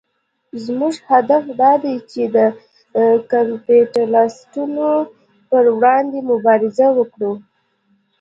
زموږ هدف دا دی چې د کپیټلېستانو پر وړاندې مبارزه وکړو.